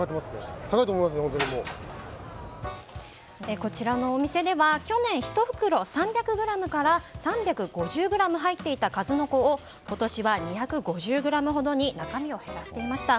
こちらのお店では去年１袋３００ｇから３５０ｇ入っていた数の子を今年は２５０ｇほどに中身を減らしていました。